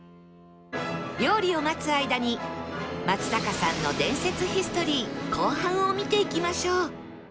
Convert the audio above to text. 料理を待つ間に松坂さんの伝説ヒストリー後半を見ていきましょう